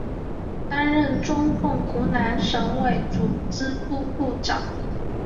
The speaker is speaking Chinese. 担任中共湖南省委组织部部长。